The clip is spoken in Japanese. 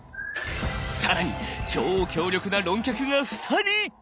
更に超強力な論客が２人！